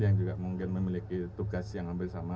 yang juga mungkin memiliki tugas yang hampir sama